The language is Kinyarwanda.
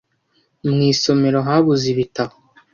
mu isomero habuze ibitabo